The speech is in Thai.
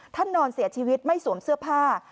นอนเสียชีวิตไม่สวมเสื้อผ้า